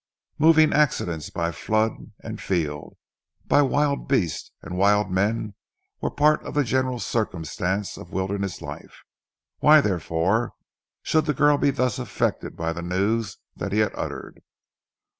Moving accidents by flood and field, by wild beasts and wild men, were part of the general circumstances of wilderness life; why, therefore, should the girl be thus affected by the news that he had uttered?